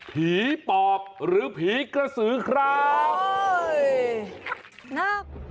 ปอบหรือผีกระสือครับ